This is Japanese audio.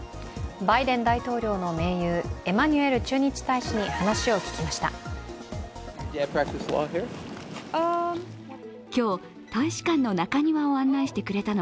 バイデン大統領の盟友エマニュエル駐日大使に話を聞きました。